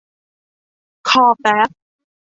คอแป๊บ